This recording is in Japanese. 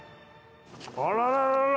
あらららら！